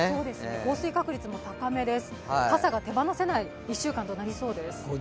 降水確率も高めです、傘が手放せない１週間となりそうです。